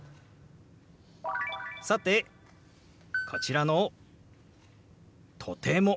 さてこちらの「とても」。